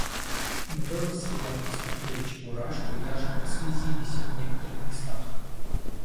Мы тоже с ребятами смотрели "Чебурашку" и даже прослезились в некоторых местах.